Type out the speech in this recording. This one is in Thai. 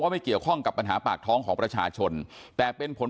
ไม่เกี่ยวข้องกับปัญหาปากท้องของประชาชนแต่เป็นผล